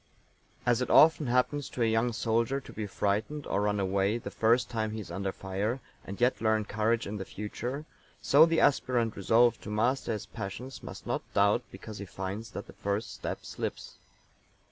As it often happens to a young soldier to be frightened or run away the first time he is under fire, and yet learn courage in the future, so the aspirant resolved to master his passions must not doubt because he finds that the first step slips.